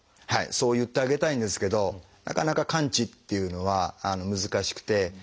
そう言ってあげたいんですけどなかなか完治っていうのは難しくて。